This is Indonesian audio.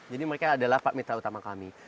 jadi mereka adalah mitra utama kami